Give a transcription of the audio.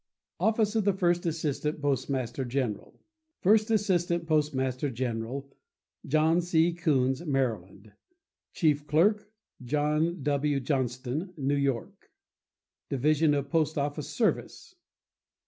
OFFICE OF THE FIRST ASSISTANT POSTMASTER GENERAL First Assistant Postmaster General.—John C. Koons, Maryland. Chief Clerk.—John W. Johnston, New York, Division of Post Office Service.